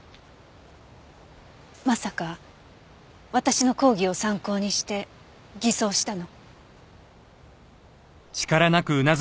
まさか私の講義を参考にして偽装したの？